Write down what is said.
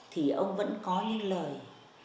thì ông vẫn có lời